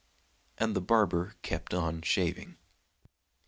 And the barber kept on shaving.